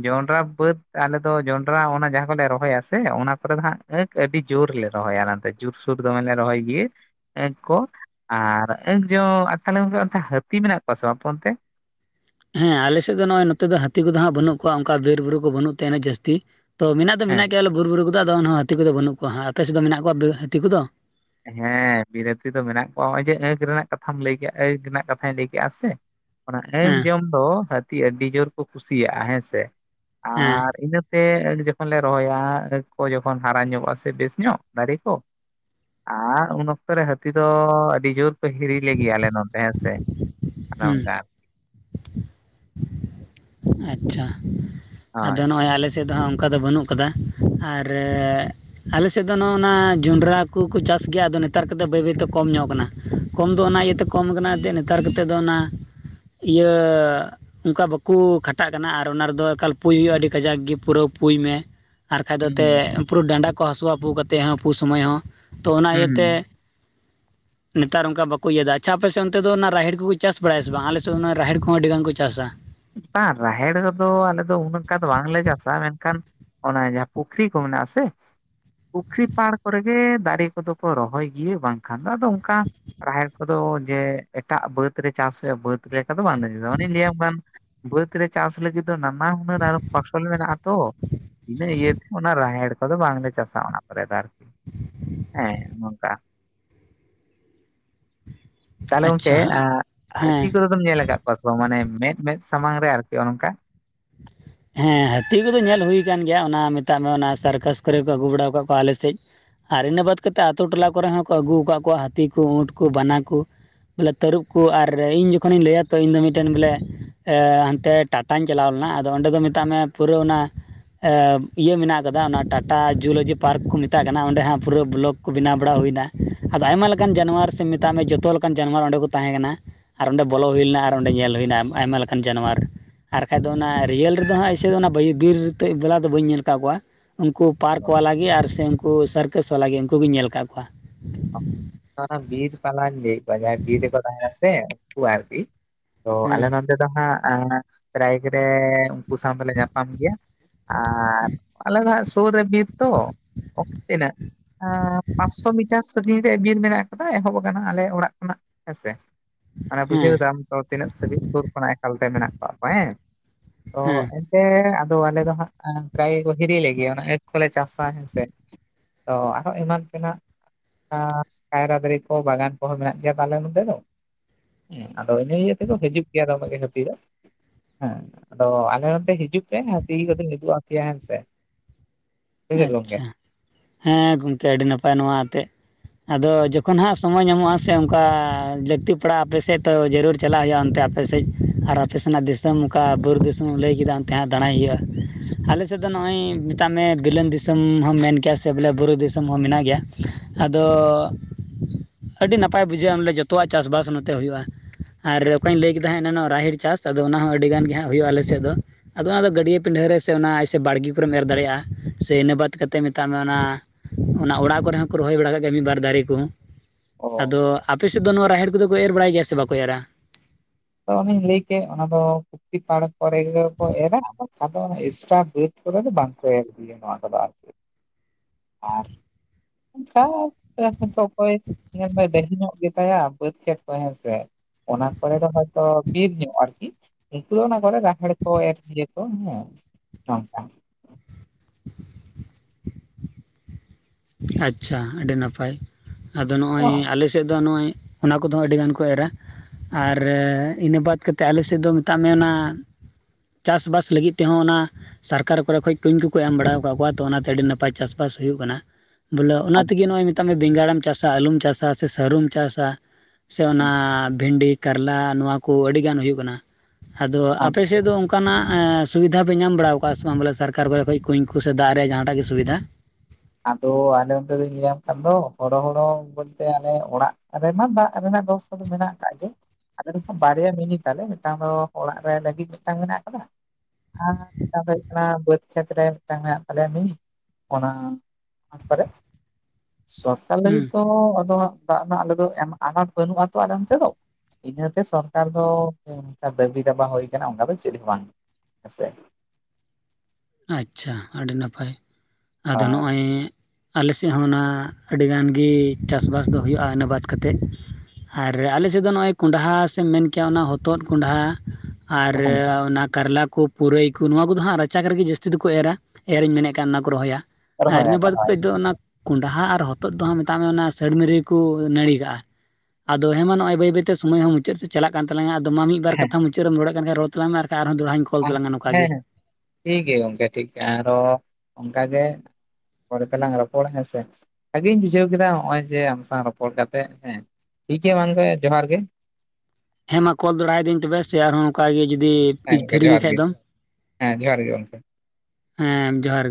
ᱡᱚᱱᱰᱨᱟ ᱵᱟᱹᱫ ᱟᱞᱮᱫᱚ ᱡᱚᱸᱰᱨᱟ ᱚᱱᱟ ᱡᱟᱦᱟᱸ ᱠᱚᱞᱮ ᱨᱚᱦᱚᱭᱟ ᱥᱮ ᱚᱱᱟ ᱠᱚᱨᱮ ᱫᱚ ᱦᱟᱸᱜ ᱟᱸᱠᱷ ᱟᱹᱰᱤ ᱡᱩᱨ ᱞᱮ ᱨᱚᱦᱚᱭᱟ ᱚᱟᱛᱮ ᱡᱩᱨᱥᱩᱨ ᱫᱚᱢᱮᱞᱮ ᱨᱚᱦᱚᱭ ᱜᱮ ᱟᱸᱠ ᱠᱚ ᱟᱨ ᱟᱸᱠ ᱡᱚ ᱟᱨ ᱛᱟᱦᱞᱮ ᱜᱚᱝᱠᱮ ᱚᱱᱛᱮ ᱦᱟᱹᱛᱤ ᱢᱮᱱᱟᱜ ᱠᱚᱣᱟ ᱥᱮ ᱵᱟᱝ ᱯᱚᱱᱛᱮ? ᱦᱮᱸ ᱟᱞᱮᱥᱮᱫ ᱫᱚ ᱱᱚᱜᱼᱚᱭ ᱱᱚᱛᱮ ᱫᱚ ᱦᱟᱹᱛᱤ ᱠᱚᱫᱚ ᱦᱟᱸᱜ ᱵᱟᱹᱱᱩᱜ ᱠᱚᱣᱟ ᱚᱝᱠᱟ ᱵᱤᱨ ᱵᱩᱨᱩ ᱠᱚ ᱵᱟᱹᱱᱩᱜ ᱛᱮ ᱩᱱᱟᱹᱜ ᱡᱟᱹᱥᱛᱤ ᱛᱚ ᱢᱮᱱᱟᱜ ᱫᱚ ᱦᱮᱸ ᱢᱮᱱᱟᱜ ᱜᱮᱭᱟᱞᱚ ᱵᱩᱨ ᱵᱩᱨᱩ ᱠᱚᱫᱚ᱾ ᱟᱫᱚ ᱮᱱᱦᱚ ᱦᱟᱹᱛᱤ ᱠᱚᱫᱚ ᱵᱟᱹᱱᱩᱜ ᱠᱚᱣᱟ ᱦᱟᱜ ᱟᱯᱮᱥᱮᱫ ᱫᱚ ᱢᱮᱱᱟᱜ ᱠᱚᱣᱟ ᱵᱤᱨ ᱦᱟᱹᱛᱤ ᱠᱚᱫᱚ? ᱦᱮᱸ ᱵᱤᱨᱟᱹᱛᱤ ᱫᱚ ᱢᱮᱱᱟᱜ ᱠᱚᱣᱟ ᱦᱚᱜᱚᱭ ᱡᱮ ᱟᱸᱠ ᱨᱮᱱᱟᱜ ᱠᱟᱛᱷᱟᱢ ᱞᱟᱹᱭ ᱠᱮᱜᱼᱟ ᱟᱸᱠ ᱨᱮᱱᱟᱜ ᱠᱟᱛᱷᱟᱧ ᱞᱟᱹᱭ ᱠᱮᱜᱼᱟ ᱥᱮ ᱚᱱᱟ ᱟᱸᱠ ᱦᱮᱸ ᱡᱚᱢ ᱫᱚ ᱦᱟᱹᱛᱤ ᱟᱹᱰᱤ ᱡᱳᱨ ᱠᱚ ᱠᱩᱥᱤᱭᱟᱜᱼᱟ ᱦᱮᱸ ᱥᱮ ᱾ ᱦᱮᱸ ᱤᱱᱟᱹᱛᱮ ᱟᱸᱠ ᱡᱚᱠᱷᱚᱱ ᱞᱮ ᱨᱚᱦᱚᱭᱟ ᱟᱸᱠ ᱠᱚ ᱡᱚᱠᱷᱚᱱ ᱦᱟᱨᱟ ᱧᱚᱜᱼᱟ ᱥᱮ ᱵᱮᱥ ᱧᱚᱜ ᱫᱟᱨᱮ ᱠᱚ ᱟᱨ ᱩᱱ ᱚᱠᱛᱚ ᱨᱮ ᱦᱟᱹᱛᱤ ᱫᱚ ᱟᱹᱰᱤ ᱡᱳᱨ ᱠᱚ ᱦᱤᱨᱤ ᱞᱮᱜᱮᱭᱟ ᱟᱞᱮ ᱱᱚᱛᱮ ᱦᱮᱸ ᱥᱮ ᱟᱫᱚ ᱦᱮᱸ ᱚᱝᱠᱟᱫ ᱟᱪᱪᱷᱟ ᱟᱫᱚ ᱦᱳᱭ ᱱᱚᱜᱼᱚᱭ ᱟᱞᱮᱥᱮᱫ ᱫᱚ ᱦᱟᱸᱜ ᱚᱱᱠᱟ ᱫᱚ ᱵᱟᱹᱱᱩᱜ ᱠᱟᱫᱟ ᱟᱨᱮ ᱟᱞᱮᱥᱮᱫ ᱫᱚ ᱱᱚᱜᱼᱱᱟ ᱡᱚᱸᱰᱨᱟ ᱠᱩᱠᱩ ᱪᱟᱥ ᱜᱮᱭᱟ ᱟᱫᱚ ᱱᱮᱛᱟᱨ ᱠᱚᱫᱚ ᱵᱟᱹᱭ ᱵᱟᱹᱭ ᱛᱮ ᱠᱚᱢ ᱧᱚᱜ ᱠᱟᱱᱟ᱾ ᱠᱚᱢ ᱫᱚ ᱚᱱᱟ ᱤᱭᱟᱹᱛᱮ ᱠᱚᱢ ᱠᱟᱱᱟ ᱮᱱᱮᱫ ᱱᱮᱛᱟᱨ ᱠᱟᱛᱮᱫ ᱫᱚ ᱚᱱᱟ ᱤᱭᱟᱹ ᱚᱱᱠᱟ ᱵᱟᱠᱚ ᱠᱷᱟᱴ ᱴᱟᱜ ᱠᱟᱱᱟ ᱟᱨ ᱚᱱᱟ ᱨᱮᱫᱚ ᱮᱠᱟᱞ ᱯᱩᱭ ᱦᱩᱭᱩᱜᱼᱟ ᱟᱹᱰᱤ ᱠᱟᱡᱟᱠ ᱜᱮ ᱯᱩᱨᱟᱹ ᱯᱩᱭ ᱢᱮ ᱟᱨ ᱠᱷᱟᱭᱫᱟ ᱛᱮ ᱦᱩᱸ ᱯᱩᱨᱟᱹ ᱰᱟᱸᱰᱟ ᱠᱚ ᱦᱟᱹᱥᱩᱣᱟ ᱯᱩ ᱠᱟᱛᱮ ᱦᱚᱸ ᱯᱩ ᱥᱚᱢᱚᱭ ᱦᱚᱸ ᱛᱚ ᱚᱱᱟ ᱦᱩᱸ ᱤᱭᱟᱹᱛᱮ ᱱᱮᱛᱟᱨ ᱚᱱᱠᱟ ᱵᱟᱠᱚ ᱤᱭᱟᱹᱭ ᱫᱟ᱾ ᱟᱪᱷᱟ ᱟᱯᱮᱥᱮᱫ ᱚᱱᱛᱮ ᱫᱚ ᱚᱱᱟ ᱨᱟᱦᱮᱲ ᱠᱚᱠᱚ ᱪᱟᱥ ᱵᱟᱲᱟᱭᱟ ᱥᱮ ᱵᱟᱝ? ᱟᱞᱮ ᱥᱮᱫ ᱚᱱᱟ ᱨᱟᱦᱮᱲ ᱠᱚᱦᱚᱸ ᱟᱹᱰᱤ ᱜᱟᱱ ᱠᱚ ᱪᱟᱥᱟ ᱵᱟᱝ ᱨᱟᱦᱮᱲ ᱠᱚᱫᱚ ᱟᱞᱮ ᱫᱚ ᱩᱱᱟᱹᱜ ᱠᱟ ᱫᱚ ᱵᱟᱝᱞᱮ ᱪᱟᱥᱟ ᱮᱱᱠᱷᱟᱱ ᱚᱱᱟ ᱡᱟᱦᱟᱸ ᱯᱩᱠᱥᱤ ᱠᱚ ᱢᱮᱱᱟᱜ ᱟᱥᱮ ᱯᱩᱠᱷᱨᱤ ᱯᱟᱲ ᱠᱚᱨᱮᱜᱮ ᱫᱟᱨᱮ ᱠᱚᱫᱚ ᱠᱚ ᱨᱚᱦᱚᱭ ᱜᱮᱭᱟ ᱵᱟᱝᱠᱷᱟᱱ ᱫᱚ ᱟᱫᱚ ᱚᱱᱠᱟ ᱨᱟᱦᱮᱲ ᱠᱚ ᱫᱚ ᱡᱮ ᱮᱴᱟᱜ ᱵᱟᱹᱫ ᱨᱮ ᱪᱟᱥ ᱦᱩᱸᱭᱩᱜ-ᱟ ᱵᱟᱹᱫ ᱾ [unintelligible] ᱚᱱᱮᱧ ᱞᱟᱹᱭᱟᱢ ᱠᱟᱱ ᱵᱟᱹᱫᱽ ᱨᱮ ᱪᱟᱥ ᱞᱟᱹᱜᱤᱫ ᱱᱟᱱᱟ ᱦᱩᱱᱟᱹᱨ ᱟᱨᱚ ᱯᱷᱚᱥᱚᱞ ᱢᱮᱱᱟᱜᱼᱟ ᱛᱚ ᱤᱱᱟᱹ ᱤᱭᱟᱹᱛᱮ ᱚᱱᱟ ᱨᱟᱦᱮᱲ ᱠᱚᱫᱚ ᱵᱟᱝᱞᱮ ᱪᱟᱥᱟ ᱚᱱᱟ ᱠᱚᱨᱮ ᱫᱚ ᱟᱨᱠᱤ ᱦᱮᱸ ᱱᱚᱝᱠᱟ [unintelligible] ᱛᱟᱦᱚᱞᱮ ᱜᱚᱝᱠᱮ ᱟᱪᱪᱷᱟ ᱟᱜ ᱦᱟᱹᱛᱤ ᱦᱮᱸ ᱠᱚ ᱫᱚ ᱫᱚᱢ ᱧᱮᱞ ᱠᱟᱫ ᱠᱚᱣᱟ ᱥᱮ ᱵᱟᱝ ᱢᱟᱱᱮ ᱢᱮᱸᱫ ᱢᱮᱸᱫ ᱾ ᱥᱟᱢᱟᱝ ᱨᱮ ᱟᱨᱠᱤ ᱚᱱᱠᱟ ᱦᱮᱸ ᱦᱟᱹᱛᱤ ᱠᱚᱫᱚ ᱧᱮᱞ ᱦᱩᱭ ᱠᱟᱱ ᱜᱮᱭᱟ ᱚᱱᱟ ᱢᱮᱛᱟᱜ ᱢᱮ ᱚᱱᱟ ᱥᱟᱨᱠᱟᱥ ᱠᱚᱨᱮ ᱠᱚ ᱟᱹᱜᱩ ᱵᱟᱲᱟ ᱟᱠᱟᱜ ᱠᱚᱣᱟ ᱟᱞᱮ ᱥᱮᱫ ᱾ ᱟᱨ ᱤᱱᱟᱹ ᱵᱟᱫ ᱠᱟᱛᱮᱫ ᱟᱛᱩ ᱴᱚᱞᱟ ᱠᱚᱨᱮ ᱦᱚᱸ ᱠᱚ ᱟᱹᱜᱩᱣ ᱠᱟᱜ ᱠᱚᱣᱟ ᱦᱟᱹᱛᱤ ᱠᱚ ᱩᱸᱴ ᱠᱚ ᱵᱟᱱᱟ ᱠᱚ ᱾ ᱵᱚᱞᱮ ᱛᱟᱹᱨᱩᱵᱽ ᱠᱚ ᱟᱨ ᱤᱧ ᱡᱚᱠᱷᱚᱱᱤᱧ ᱞᱟᱹᱭᱟ ᱛᱚ ᱤᱧ ᱫᱚ ᱢᱤᱫᱴᱮᱱ ᱵᱚᱞᱮ ᱮ ᱦᱟᱱᱛᱮ ᱴᱟᱴᱟᱧ ᱪᱟᱞᱟᱣ ᱞᱮᱱᱟ ᱾ ᱫᱚ ᱚᱸᱰᱮ ᱫᱚ ᱢᱮᱛᱟᱜ ᱢᱮ ᱯᱩᱨᱟᱹ ᱚᱱᱟ ᱮ ᱤᱭᱟᱹ ᱢᱮᱱᱟᱜ ᱠᱟᱫᱟ ᱚᱱᱟ ᱴᱟᱴᱟ ᱡᱚᱞᱳᱚᱡᱤ ᱯᱟᱨᱠ ᱠᱚ ᱢᱮᱛᱟᱜ ᱠᱟᱱᱟ ᱚᱸᱰᱮ ᱦᱟᱸᱜ ᱯᱩᱨᱟᱹ ᱵᱚᱞᱚᱠ ᱠᱚ ᱵᱮᱱᱟᱣ ᱵᱟᱲᱟ ᱦᱩᱭᱱᱟ ᱾ ᱟᱫᱚ ᱟᱭᱢᱟ ᱞᱮᱠᱟᱱ ᱡᱟᱱᱣᱟᱨ ᱥᱮ ᱢᱮᱛᱟᱜ ᱢᱮ ᱡᱚᱛᱚ ᱞᱮᱠᱟᱱ ᱡᱟᱱᱣᱟᱨ ᱚᱸᱰᱮ ᱠᱚ ᱛᱟᱦᱮᱸ ᱠᱟᱱᱟ ᱾ ᱟᱨ ᱚᱸᱰᱮ ᱵᱚᱞᱚ ᱦᱩᱭ ᱞᱮᱱᱟ ᱟᱨ ᱚᱸᱰᱮ ᱧᱮᱞ ᱦᱩᱭᱱᱟ ᱟᱭᱢᱟ ᱞᱮᱠᱟᱱ ᱡᱟᱱᱣᱟᱨ ᱟᱨ ᱠᱷᱟᱡ ᱫᱚ ᱚᱱᱟ ᱨᱤᱭᱮᱞ ᱨᱮᱫᱚ ᱦᱟᱸᱜ ᱮᱭᱥᱮ ᱚᱱᱟ ᱵᱤᱨ ᱛᱮᱜ ᱵᱮᱞᱟᱫᱚ ᱵᱟᱹᱧ ᱧᱮᱞ ᱠᱟᱜ ᱠᱚᱣᱟ᱾ ᱩᱝᱠᱩ ᱯᱟᱨᱠ ᱣᱟᱞᱟ ᱟᱨ ᱥᱮ ᱩᱝᱠᱩ ᱥᱟᱨᱠᱟᱥ ᱣᱟᱞᱟ ᱩᱝᱠᱩ ᱜᱤᱧ ᱧᱮᱞ ᱠᱟᱜ ᱠᱚᱣᱟ ᱾ ᱚᱱᱟ ᱵᱤᱨ ᱵᱟᱞᱟ ᱞᱟᱹᱭᱮᱜ ᱠᱚᱣᱟ ᱡᱟᱭᱟᱭ ᱵᱤᱨ ᱨᱮ ᱠᱚ ᱛᱟᱦᱮᱱᱟ ᱥᱮ ᱠᱚ ᱟᱨᱠᱤ ᱛᱚ ᱟᱞᱮ ᱦᱮᱸ ᱱᱚᱸᱰᱮ ᱫᱚ ᱦᱟᱸᱜ ᱮᱸ ᱯᱨᱟᱭ ᱜᱮᱨᱮ ᱠᱩ ᱥᱟᱶ ᱛᱮᱞᱮ ᱧᱟᱯᱟᱢ ᱜᱮᱭᱟ, ᱟᱨ ᱟᱞᱮ ᱫᱚ ᱦᱟᱸᱜ ᱥᱩᱨ ᱨᱮ ᱵᱤᱨ ᱛᱚ ᱚᱠ ᱴᱤᱱᱟᱹᱜ ᱮᱸ ᱯᱟᱸᱪᱥᱚ ᱢᱤ ᱪᱟᱥ ᱥᱟᱺᱜᱤᱧ ᱨᱮ ᱵᱤᱨ ᱢᱮᱱᱟᱜ ᱠᱟᱫᱟ ᱮᱦᱚᱵ ᱠᱟᱱᱟ ᱟᱞᱮ ᱚᱲᱟᱜ ᱠᱷᱚᱱᱟᱜ ᱦᱮᱸ ᱥᱮ᱾ ᱢᱟᱱᱮ ᱵᱩᱡᱷᱟᱹᱣ ᱦᱮᱸ ᱫᱟᱢ ᱛᱚ ᱛᱤᱱᱟᱹᱜ ᱥᱟᱹᱜᱤ ᱥᱩᱨ ᱠᱷᱚᱱ ᱟᱜ ᱮᱠᱟᱞ ᱛᱮ ᱢᱮᱱᱟᱜ ᱠᱟᱜ ᱠᱚᱣᱟ ᱦᱮᱸ᱾ ᱛᱚ ᱦᱮᱸ ᱮ ᱛᱮ ᱟᱫᱚ ᱟᱞᱮ ᱫᱚ ᱦᱟᱸᱜ ᱟᱸ ᱯᱨᱟᱭ ᱠᱚ ᱦᱤᱨᱤ ᱞᱮᱜᱮ ᱚᱱᱟ ᱟᱸᱠ ᱠᱚᱞᱮ ᱪᱟᱥᱟ ᱦᱮᱸᱥᱮ ᱾ ᱛᱚ ᱟᱨᱦᱚᱸ ᱮᱢᱟᱱ ᱛᱮᱱᱟᱜ ᱟᱸ ᱠᱟᱭᱨᱟ ᱫᱟᱨᱮ ᱠᱚ ᱵᱟᱜᱟᱱ ᱠᱚᱦᱚᱸ ᱢᱮᱱᱟᱜ ᱜᱮᱭᱟ ᱟᱞᱮ ᱱᱚᱛᱮ ᱫᱚ ᱾ ᱦᱮᱸ ᱟᱫᱚ ᱤᱱᱟᱹ ᱤᱭᱟᱹ ᱛᱮᱫᱚ ᱦᱤᱡᱩᱜ ᱜᱮᱭᱟ ᱫᱚ [unintelligible] ᱫᱚ᱾ ᱦᱮᱸ ᱟᱫᱚ ᱟᱞᱮ ᱱᱚᱛᱮ ᱦᱤᱡᱩᱜ ᱯᱮ ᱦᱟᱹᱛᱤ ᱠᱚᱫᱧ ᱩᱫᱩᱜ ᱟᱯᱮᱭᱟ ᱦᱮᱸ ᱥᱮ ᱾ ᱟᱪᱪᱷᱟ ᱦᱮᱸ ᱜᱚᱝᱠᱮ ᱟᱹᱰᱤ ᱱᱟᱯᱟᱭ ᱱᱚᱣᱟ ᱟᱛᱮᱜ ᱾ ᱟᱫᱚ ᱡᱚᱠᱷᱚᱱ ᱦᱟᱸᱜ ᱥᱚᱢᱚᱭ ᱧᱟᱢᱚᱜᱼᱟ ᱥᱮ ᱚᱝᱠᱟ ᱞᱟᱹᱠᱛᱤ ᱯᱟᱲᱟᱜᱼᱟ ᱟᱯᱮ ᱥᱮᱜ ᱛᱚ ᱡᱟᱹᱨᱩᱲ ᱪᱟᱞᱟᱜ ᱦᱩᱭᱩᱜᱼᱟ ᱚᱱᱛᱮ ᱟᱯᱮ ᱥᱮᱡ ᱟᱨ ᱟᱯᱮ ᱥᱮᱱᱟᱜ ᱫᱤᱥᱚᱢ ᱚᱝᱠᱟ ᱵᱩᱨᱩ ᱫᱤᱥᱚᱢᱮ ᱞᱟᱹᱭ ᱠᱮᱫᱟ ᱚᱱᱛᱮ ᱦᱚᱸ ᱫᱟᱬᱟᱭ ᱦᱩᱭᱩᱜᱼᱟ ᱾ ᱟᱞᱮ ᱥᱮᱫ ᱫᱚ ᱱᱚᱜᱼᱚᱸᱭ ᱢᱮᱛᱟᱜ ᱢᱮ ᱵᱤᱞᱟᱹᱱ ᱫᱤᱥᱚᱢ ᱦᱚᱢ ᱢᱮᱱ ᱠᱮᱭᱟ ᱥᱮ ᱵᱚᱞᱮ ᱵᱩᱨᱩ ᱫᱤᱥᱚᱢ ᱦᱚᱸ ᱢᱮᱱᱟᱜ ᱜᱮᱭᱟ ᱟᱫᱚ ᱾ ᱟᱹᱰᱤ ᱱᱟᱯᱟᱭ ᱵᱩᱡᱷᱟᱹᱜᱼᱟ ᱟᱢᱞᱮ ᱡᱚᱛᱚᱣᱟᱜ ᱪᱟᱥᱼᱵᱟᱥ ᱱᱚᱛᱮ ᱦᱩᱭᱩᱜᱼᱟ᱾ ᱟᱨ ᱚᱠᱟᱧ ᱞᱟᱹᱭ ᱠᱮᱫᱟ ᱦᱟᱸᱜ ᱮᱱᱟᱱᱚᱜ ᱨᱟᱦᱮᱲ ᱪᱟᱥ ᱟᱫᱚ ᱚᱱᱟ ᱦᱚᱸ ᱟᱹᱰᱤ ᱜᱟᱱ ᱜᱮ ᱦᱟᱸᱜ ᱦᱩᱭᱩᱜᱼᱟ ᱟᱞᱮ ᱥᱮᱫ ᱫᱚ ᱟᱫᱚ ᱚᱱᱟ ᱫᱚ ᱜᱟᱹᱰᱤᱭᱟᱹ ᱯᱤᱱᱰᱦᱟᱹ ᱨᱮ ᱥᱮ ᱚᱱᱟ ᱟᱭᱥᱮ ᱵᱟᱲᱜᱮ ᱠᱚᱨᱮᱢ ᱮᱨ ᱫᱟᱲᱮᱭᱟᱜᱼᱟ᱾ ᱥᱮ ᱤᱱᱟᱹ ᱵᱟᱫᱽ ᱠᱟᱛᱮᱫ ᱢᱮᱛᱟᱜ ᱢᱮ ᱚᱱᱟ ᱚᱱᱟ ᱚᱲᱟᱜ ᱠᱚᱨᱮ ᱦᱚᱸᱠᱚ ᱨᱚᱦᱚᱭ ᱵᱟᱲᱟ ᱠᱟᱜ ᱜᱮᱭᱟ ᱢᱤᱫ ᱵᱟᱨ ᱫᱟᱨᱮ ᱠᱚ ᱦᱚᱸ ᱾ ᱚ ᱟᱫᱚ ᱟᱯᱮ ᱥᱮᱫ ᱫᱚ ᱱᱚᱣᱟ ᱨᱟᱦᱮᱲ ᱠᱚ ᱫᱚ ᱠᱚ ᱮᱨ ᱵᱟᱲᱟᱭ ᱜᱮᱭᱟ ᱥᱮ ᱵᱟᱠᱚ ᱮᱨᱟ ᱾ ᱟᱫᱚ ᱚᱱᱮᱧ ᱞᱟᱹᱭ ᱠᱮᱫ ᱚᱱᱟ ᱫᱚ ᱯᱩᱠᱛᱤ ᱯᱟᱲᱟᱛ ᱠᱚᱨᱮ ᱜᱮ ᱠᱚ ᱮᱨᱟ᱾ ᱟᱫᱚ ᱮᱠᱥᱴᱨᱟ ᱵᱮᱹᱫᱽ ᱠᱚᱨᱮ ᱫᱚ ᱵᱟᱝ ᱠᱚ ᱮᱨ ᱜᱤᱭᱟ ᱱᱚᱣᱟ ᱠᱚ ᱫᱚ ᱟᱨᱠᱤ ᱟᱨ ᱾ [unintelligible] ᱛᱚ ᱚᱠᱚᱡ ᱤᱱᱟᱹ ᱠᱷᱚᱡ ᱰᱟᱹᱦᱤ ᱧᱚᱜ ᱜᱮᱛᱟᱭᱟ ᱵᱟᱹᱫᱽ ᱠᱷᱮᱛ ᱠᱚ ᱦᱮᱸᱥᱮ ᱚᱱᱟ ᱠᱚᱨᱮ ᱫᱚ ᱦᱳᱭ ᱛᱚ ᱵᱤᱨ ᱧᱚᱜ ᱟᱨᱠᱤ ᱩᱱᱠᱩ ᱫᱚ ᱚᱱᱟ ᱠᱚᱨᱮ ᱨᱟᱦᱮᱲ ᱠᱚ ᱮᱨ ᱠᱤᱭᱟᱹ ᱠᱚ ᱦᱮᱸ ᱾ ᱟᱪᱪᱷᱟ [inaudible] ᱟᱪᱷᱟ ᱟᱹᱰᱤ ᱱᱟᱯᱟᱭ ᱟᱫᱚ ᱱᱚᱜᱼᱚᱭ ᱟᱞᱮ ᱥᱮ ᱪᱮᱫ ᱫᱚ ᱱᱚᱜᱼᱚᱭ ᱚᱱᱟ ᱠᱚ ᱫᱚ ᱦᱟᱸᱜ ᱟᱹᱰᱤ ᱜᱟᱱ ᱠᱚ ᱮᱨᱟ᱾ ᱟᱨ ᱤᱱᱟᱹ ᱵᱟᱫᱽ ᱠᱟᱛᱮ ᱟᱞᱮ ᱥᱮᱫ ᱫᱚ ᱢᱮᱛᱟᱜ ᱢᱮ ᱚᱱᱟ ᱪᱟᱥ ᱵᱟᱥ ᱞᱟᱹᱜᱤᱫ ᱛᱮᱦᱚᱸ ᱚᱱᱟ᱾ ᱥᱟᱨᱠᱟᱨ ᱠᱚᱨᱮ ᱠᱷᱚᱡ ᱠᱩᱧ ᱠᱚᱠᱚ ᱮᱢ ᱵᱟᱲᱟᱣ ᱟᱠᱟᱫ ᱠᱚᱣᱟ ᱛᱚ ᱚᱱᱟᱛᱮ ᱟᱹᱰᱤ ᱱᱟᱯᱟᱭ ᱪᱟᱥ ᱵᱟᱥ ᱦᱩᱭᱩᱜ ᱠᱟᱱᱟ᱾ ᱵᱚᱞᱮ ᱚᱱᱟ ᱛᱮ ᱜᱮ ᱱᱚᱜᱼᱚᱭ ᱢᱮᱛᱟᱜ ᱢᱮ ᱵᱮᱸᱜᱟᱲᱮᱢ ᱪᱟᱥᱟ ᱟᱞᱩᱢ ᱪᱟᱥᱟ ᱥᱮ ᱥᱟᱹᱨᱩᱢ ᱪᱟᱥᱟ ᱥᱮ ᱚᱱᱟ ᱵᱷᱤᱱᱰᱤ ᱠᱟᱨᱞᱟ ᱱᱚᱣᱟ ᱠᱚ ᱟᱹᱰᱤᱜᱟᱱ ᱦᱩᱭᱩᱜ ᱠᱟᱱᱟ᱾ ᱟᱫᱚ ᱟᱯᱮ ᱥᱮᱫ ᱫᱚ ᱚᱱᱠᱟᱱᱟᱜ ᱮᱸ ᱥᱩᱵᱤᱫᱷᱟ ᱯᱮ ᱧᱟᱢ ᱵᱟᱲᱟᱣ ᱟᱠᱟᱜᱼᱟ ᱥᱮ ᱵᱟᱝ ᱵᱚᱞᱮ ᱥᱟᱨᱠᱟᱨ ᱵᱟᱞᱟ ᱠᱷᱚᱡ ᱠᱩᱧ ᱠᱚ ᱥᱮ ᱫᱟᱜ ᱨᱮᱭᱟᱜ ᱡᱟᱦᱟᱸᱴᱟᱜ ᱜᱮ ᱥᱩᱵᱤᱫᱷᱟ ᱟᱫᱚ ᱟᱞᱮ ᱚᱱᱛᱮ ᱫᱚᱧ ᱞᱟᱹᱭᱟᱢ ᱠᱟᱱ ᱫᱚ ᱦᱚᱲᱚ ᱦᱚᱲᱚ ᱵᱚᱞᱛᱮ ᱟᱞᱮ ᱚᱲᱟᱜ ᱨᱮᱢᱟ ᱫᱟᱜ ᱨᱮᱱᱟᱜ ᱵᱮᱵᱚᱥ ᱫᱚ ᱢᱮᱱᱟᱜ ᱟᱠᱟᱫ ᱜᱮ ᱟᱫᱚ ᱡᱚᱠᱷᱚᱱ ᱵᱟᱨᱭᱟ ᱢᱤᱱᱤ ᱛᱟᱞᱮ ᱢᱤᱫᱴᱟᱝ ᱫᱚ ᱚᱲᱟᱜ ᱨᱮ ᱞᱟᱹᱜᱤᱫ ᱢᱤᱫᱴᱟᱝ ᱢᱮᱱᱟᱜ ᱟᱠᱟᱫᱟ᱾ ᱟᱨ ᱢᱤᱫᱴᱟᱝ ᱫᱚ ᱦᱩᱭᱩᱜ ᱠᱟᱱᱟ ᱵᱟᱹᱫᱽ ᱠᱷᱮᱛ ᱨᱮ ᱢᱤᱫᱴᱟᱝ ᱢᱮᱱᱟᱜ ᱛᱟᱞᱮᱭᱟ ᱢᱤᱦ ᱚᱱᱟ ᱯᱚᱨᱮ ᱥᱚᱨᱠᱟᱨ ᱦᱮᱸ ᱞᱟᱹᱜᱤᱫ ᱛᱚ ᱟᱫᱚ ᱦᱟᱸᱜ ᱫᱟᱜ ᱨᱮᱱᱟᱜ ᱟᱞᱮ ᱫᱚ ᱮᱢ ᱟᱱᱟᱴ ᱵᱟᱹᱱᱩᱜ ᱟᱛᱚ ᱟᱞᱮ ᱚᱱᱛᱮ ᱫᱚ ᱤᱱᱟᱹᱛᱮ ᱥᱚᱨᱠᱟᱨ ᱫᱚ ᱚᱝᱠᱟ ᱫᱟᱹᱵᱤ ᱫᱚ ᱵᱟᱝ ᱦᱩᱭ ᱟᱠᱟᱱᱟ ᱚᱝᱠᱟ ᱫᱚ ᱪᱮᱫ ᱦᱚᱸ ᱵᱟᱝ ᱦᱮᱸᱥᱮ ᱟᱪᱪᱷᱟ ᱟᱹᱰᱤ ᱱᱟᱯᱟᱭ ᱟᱫᱚ ᱦᱳᱭ ᱱᱚᱜᱼᱚᱭ ᱟᱞᱮ ᱥᱮᱫ ᱦᱚᱸ ᱚᱱᱟ ᱟᱹᱰᱤ ᱜᱟᱱ ᱜᱮ ᱪᱟᱥᱵᱟᱥ ᱫᱚ ᱦᱩᱭᱩᱜᱼᱟ ᱤᱱᱟᱹ ᱵᱟᱫᱽ ᱠᱟᱛᱮᱫ ᱟᱨ ᱟᱞᱮ ᱥᱮᱫ ᱫᱚ ᱱᱚᱜᱼᱚᱸᱭ ᱠᱚᱱᱰᱦᱟ ᱥᱮᱢ ᱢᱮᱱ ᱠᱮᱭᱟ ᱚᱱᱟ ᱦᱚᱛᱚᱫ ᱠᱚᱱᱰᱦᱟ ᱟᱨ ᱦᱮᱸ ᱚᱱᱟ ᱠᱟᱨᱞᱟ ᱠᱚ ᱯᱩᱨᱟᱹᱭ ᱠᱚ ᱱᱚᱣᱟ ᱠᱚᱫᱚ ᱦᱟᱸᱜ ᱨᱟᱪᱟᱜᱽ ᱨᱮᱜᱮ ᱡᱟᱹᱥ ᱡᱟᱹᱥᱛᱤ ᱫᱚᱠᱚ ᱮᱨᱟ ᱮᱨᱮᱧ ᱢᱮᱱᱮᱫ ᱠᱟᱱ ᱚᱱᱟ ᱠᱚ ᱨᱚᱦᱚᱭᱟ ᱟᱨ ᱤᱱᱟᱹ ᱨᱚᱦᱚᱭᱟᱠᱚ ᱵᱟᱫᱽ ᱦᱳᱭ ᱠᱟᱛᱮᱫ ᱫᱚ ᱚᱱᱟ ᱠᱚᱱᱰᱦᱟ ᱟᱨ ᱦᱚᱛᱚᱫ ᱫᱚ ᱦᱟᱸᱜ ᱢᱮᱛᱟᱜ ᱢᱮ ᱚᱱᱟ ᱥᱟᱹᱲᱤᱢ ᱨᱮᱜᱮ ᱠᱚ ᱱᱟᱹᱲᱤ ᱠᱟᱜᱼᱟ᱾ ᱟᱫᱚ ᱦᱮᱸ ᱢᱟ ᱱᱚᱜᱼᱚᱭ ᱵᱟᱹᱭᱛᱮ ᱵᱟᱹᱭᱛᱮ ᱥᱚᱢᱚᱭ ᱦᱚᱸ ᱢᱩᱪᱮᱫ ᱥᱮ ᱪᱟᱞᱟᱜ ᱠᱟᱱ ᱛᱟᱞᱟᱝᱼᱟ ᱟᱫᱚ ᱢᱤᱫ ᱵᱟᱨ ᱦᱮᱸ ᱠᱟᱛᱷᱟ ᱢᱩᱪᱟᱹᱫ ᱨᱮᱢ ᱨᱚᱲᱮᱫ ᱠᱟᱱ ᱠᱷᱟᱡ ᱨᱚᱲ ᱛᱟᱞᱟᱝ ᱢᱮ ᱟᱨᱠᱷᱟᱡ ᱟᱨᱦᱚᱸ ᱫᱚᱦᱲᱟᱹᱧ ᱟᱪᱪᱷ ᱦᱮᱸᱻᱦᱮᱸᱻ ᱴᱷᱤᱠ ᱜᱮᱭᱟ ᱜᱚᱝᱠᱮ ᱴᱷᱤᱠ ᱟᱨᱚ ᱚᱱᱠᱟᱜᱮ ᱯᱚᱨᱮ ᱛᱮᱞᱟᱝ ᱨᱚᱯᱚᱲ ᱦᱮᱸ ᱥᱮ ᱵᱷᱟᱜᱮᱧ ᱵᱩᱡᱷᱟᱹᱣ ᱠᱮᱫᱟ ᱱᱚᱜᱼᱚᱭ ᱡᱮ ᱟᱢ ᱥᱟᱶ ᱨᱚᱯᱚᱲ ᱠᱟᱛᱮᱜ ᱦᱮᱸ ᱴᱷᱤᱠᱮ ᱢᱟᱱ ᱛᱚᱵᱮ ᱡᱚᱦᱟᱨ ᱜᱮ ᱦᱮᱸ ᱢᱟ ᱠᱚᱞ ᱫᱚᱲᱟᱭᱮᱫᱟᱹᱧ ᱛᱚᱵᱮ ᱥᱮ ᱟᱨᱦᱚᱸ ᱚᱝᱠᱟ ᱜᱮ ᱡᱩᱫᱤ ᱯᱤ ᱦᱮᱸ ᱜᱚᱝᱠᱮ ᱯᱷᱨᱤ ᱜᱮ ᱡᱚᱦᱟᱨ ᱠᱷᱟᱡ ᱫᱚᱢ, ᱦᱮᱸ ᱡᱚᱦᱟᱨ ᱜᱮ ᱜᱚᱝᱠᱮ ᱦᱮᱸ ᱡᱚᱦᱟᱨ ᱜᱮ